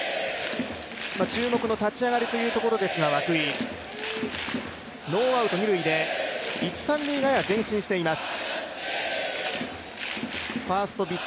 注目の立ち上がりというところですが、涌井、ノーアウト二塁で一・三塁側へ前進しています。